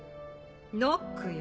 ノックよ。